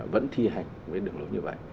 vẫn thi hành với đường lối như vậy